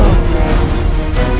aku sudah menang